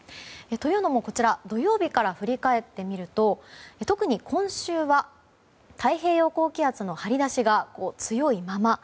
というのも、こちら土曜日から振り返ってみると特に今週は、太平洋高気圧の張り出しが強いまま。